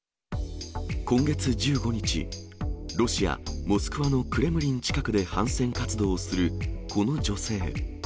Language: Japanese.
今月１５日、ロシア・モスクワのクレムリン近くで反戦活動をするこの女性。